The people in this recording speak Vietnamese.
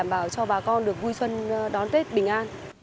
bảo cho bà con được vui xuân đón tết bình an